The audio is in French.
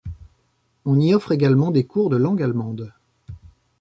On y offre également des cours de langue allemande.